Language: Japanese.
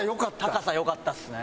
高さ良かったですね。